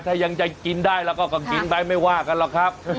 ถ้ายังจะกินได้แล้วก็กินไปไม่ว่ากันหรอกครับ